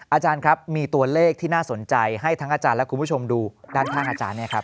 อาจารย์ครับมีตัวเลขที่น่าสนใจให้ทั้งอาจารย์และคุณผู้ชมดูด้านข้างอาจารย์เนี่ยครับ